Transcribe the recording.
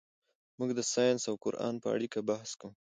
موږ د ساینس او قرآن په اړیکه بحث کوو.